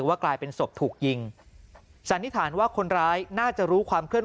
ว่ากลายเป็นศพถูกยิงสันนิษฐานว่าคนร้ายน่าจะรู้ความเคลื่อน